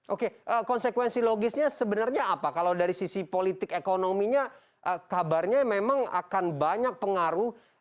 oke konsekuensi logisnya sebenarnya apa kalau dari sisi politik ekonominya kabarnya memang akan banyak pengaruh